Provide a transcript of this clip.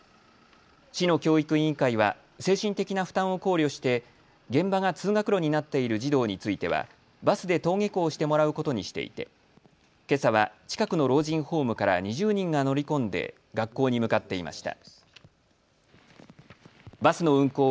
市の教育委員会は精神的な負担を考慮して現場が通学路になっている児童についてはバスで登下校してもらうことにしていてけさは近くの老人ホームから２０人が乗り込んで学校に向かっていました。